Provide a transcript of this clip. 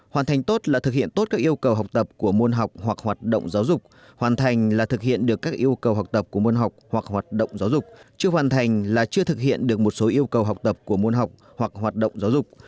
hoàn thành tốt là thực hiện tốt các yêu cầu học tập của môn học hoặc hoạt động giáo dục hoàn thành là thực hiện được các yêu cầu học tập của môn học hoặc hoạt động giáo dục chưa hoàn thành là chưa thực hiện được một số yêu cầu học tập của môn học hoặc hoạt động giáo dục